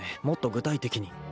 もっと具体的に。